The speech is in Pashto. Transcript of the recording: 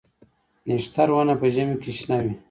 نښتر ونه په ژمي کې شنه وي؟